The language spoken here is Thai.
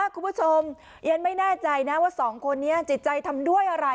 คุณผู้ชมยังไม่แน่ใจนะว่าสองคนนี้จิตใจทำด้วยอะไร